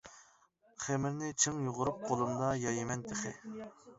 خېمىرىنى چىڭ يۇغۇرۇپ قولۇمدا يايىمەن تېخى!